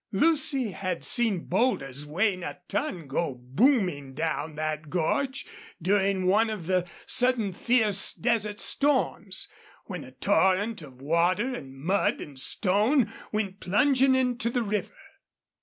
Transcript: Lucy had seen boulders weighing a ton go booming down that gorge during one of the sudden fierce desert storms, when a torrent of water and mud and stone went plunging on to the river.